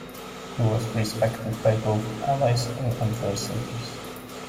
He was respected by both allies and adversaries.